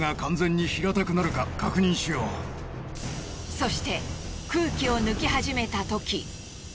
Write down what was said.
そして空気を抜きはじめたとき